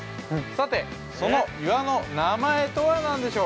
さて、その岩の名前とは何でしょう？